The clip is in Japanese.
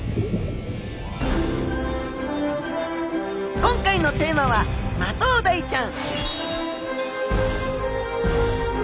今回のテーマはマトウダイちゃん